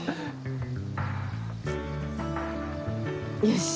よし！